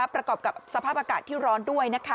ประกอบกับสภาพอากาศที่ร้อนด้วย